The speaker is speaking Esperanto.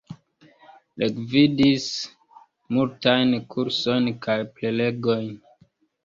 Li gvidis multajn kursojn kaj prelegojn.